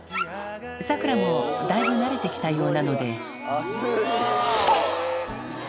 サクラもだいぶなれてきたようなので。